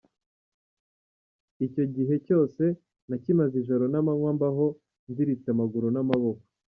Icyo gihe cyose nakimaze ijoro n’amanywa mbaho nziritse amaguru n’amaboko.